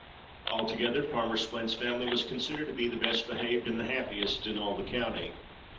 Altogether, farmer Splint's family was considered to be the best behaved and the happiest in all the county.